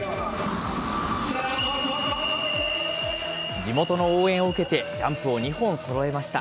地元の応援を受けて、ジャンプを２本そろえました。